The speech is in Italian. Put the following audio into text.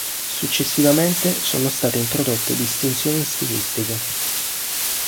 Successivamente sono state introdotte distinzioni stilistiche.